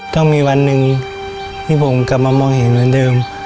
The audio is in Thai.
ต้องมีวันหนึ่งที่ผมกลับมามองเห็นเหมือนเดิม